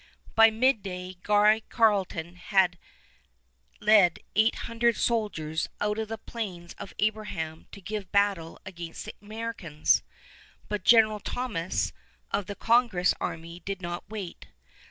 By midday, Guy Carleton had led eight hundred soldiers out to the Plains of Abraham to give battle against the Americans; but General Thomas of the Congress army did not wait.